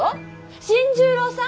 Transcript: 新十郎さん？